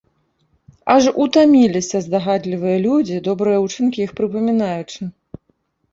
Аж утаміліся здагадлівыя людзі, добрыя ўчынкі іх прыпамінаючы.